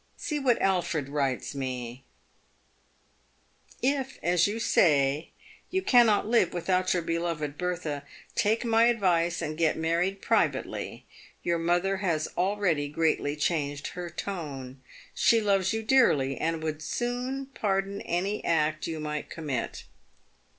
See what Alfred writes me :' If, as you say, you cannot live without your beloved Bertha, take my advice and get married privately. Your mother has already greatly changed her tone. She loves you dearly, and would soon pardon any act you might commit.'